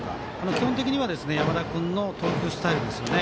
基本的には山田君の投球スタイルですね。